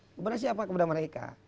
kemudian siapa kepada mereka